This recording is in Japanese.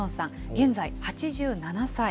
現在８７歳。